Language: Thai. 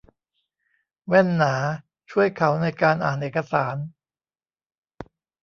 แว่นหนาช่วยเขาในการอ่านเอกสาร